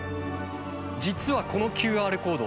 実はこのＱＲコード